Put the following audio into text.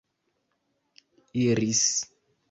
iris